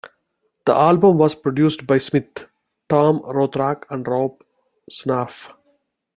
The album was produced by Smith, Tom Rothrock and Rob Schnapf.